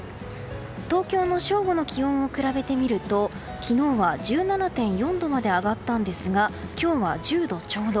東京の正午の気温を比べてみると昨日は１７．４度まで上がったんですが今日は１０度ちょうど。